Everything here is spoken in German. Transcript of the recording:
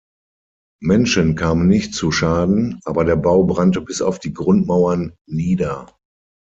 Menschen kamen nicht zu Schaden, aber der Bau brannte bis auf die Grundmauern nieder.